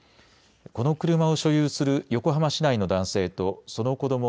この車を所有する横浜市内の男性とその子ども